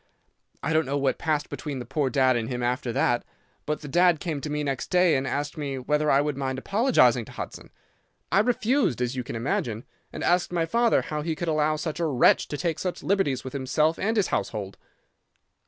I don't know what passed between the poor dad and him after that, but the dad came to me next day and asked me whether I would mind apologising to Hudson. I refused, as you can imagine, and asked my father how he could allow such a wretch to take such liberties with himself and his household.